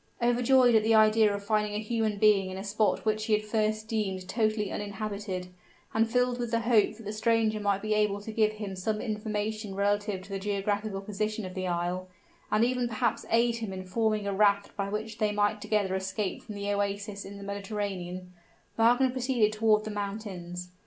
Overjoyed at the idea of finding a human being in a spot which he had at first deemed totally uninhabited, and filled with the hope that the stranger might be able to give him some information relative to the geographical position of the isle, and even perhaps aid him in forming a raft by which they might together escape from the oasis of the Mediterranean, Wagner proceeded toward the mountains.